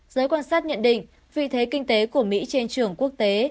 giới quan sát nhận định vị thế kinh tế của mỹ trên trường quốc tế